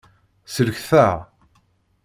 Sellket-aɣ.